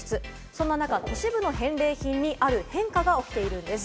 そんな中、都市部の返礼品にある変化が起きているんです。